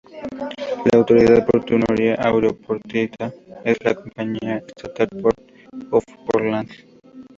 La autoridad portuaria y aeroportuaria es la compañía estatal "Port of Portland".